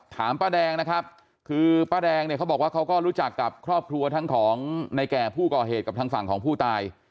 ป้าแดงนะครับคือป้าแดงเนี่ยเขาบอกว่าเขาก็รู้จักกับครอบครัวทั้งของในแก่ผู้ก่อเหตุกับทางฝั่งของผู้ตาย